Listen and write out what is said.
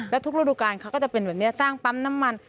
แล้วทุกฤดูการเขาก็จะเป็นแบบนี้สร้างปั๊มน้ำมัน